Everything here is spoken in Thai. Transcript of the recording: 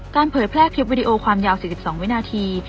เผยแพร่คลิปวิดีโอความยาว๔๒วินาที